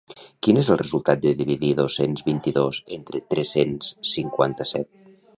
Quin és el resultat de dividir dos-cents vint-i-dos entre tres-cents cinquanta-set?